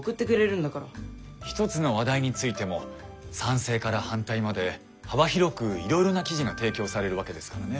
一つの話題についても賛成から反対まで幅広くいろいろな記事が提供されるわけですからね。